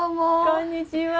こんにちは。